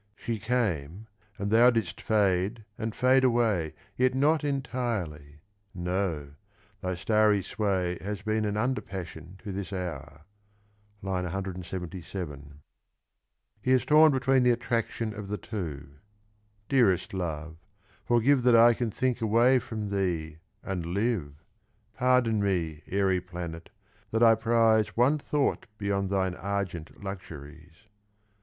She came, and thou didst fade and fade away Yet not entirely ! no, thy starry sway Has been an under passion to this hour. (III. 177) He is torn between the attraction of the two : Dearest love, forgive That I can think away from thee and live !— Pardon me, airy planet, that I prize One thought beyond thine argent luxuries!